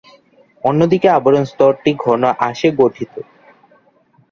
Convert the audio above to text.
অন্যদিকে, আবরণী স্তরটি ঘন আঁশে গঠিত।